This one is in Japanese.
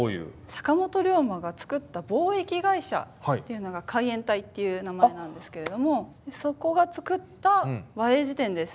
坂本龍馬がつくった貿易会社っていうのが海援隊っていう名前なんですけれどもそこが作った和英辞典です。